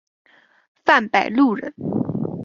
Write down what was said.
范百禄人。